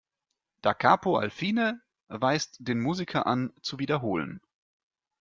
"Da Capo al fine" weist den Musiker an, zu wiederholen.